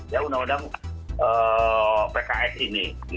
ya undang undang pks ini